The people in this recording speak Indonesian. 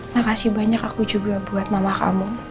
makasih banyak aku juga buat mama kamu